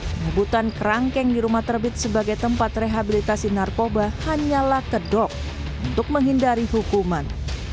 penyebutan kerangkeng di rumah terbit sebagai tempat rehabilitasi narkoba hanyalah kedok untuk menghindari hukuman